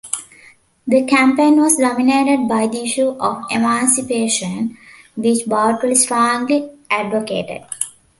The campaign was dominated by the issue of emancipation, which Boutwell strongly advocated.